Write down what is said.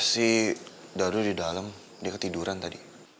si darul di dalam dia ketiduran tadi